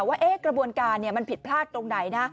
ว่ากระบวนการมันผิดพลาดตรงไหนนะ